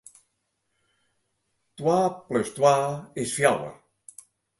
Twa plus twa is fjouwer.